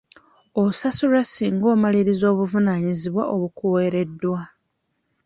Osasulwa singa omaliriza obuvunaanyizibwa obukuwereddwa.